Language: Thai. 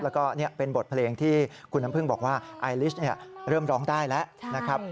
แล้วก็เป็นบทเพลงที่คุณน้ำพึ่งบอกว่าไอลิสเริ่มร้องได้แล้วนะครับ